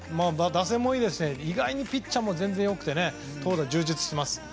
打線もいいですし、意外にピッチャーも全然良くて投打も充実しています。